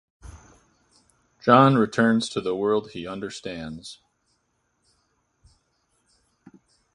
John returns to the world he understands.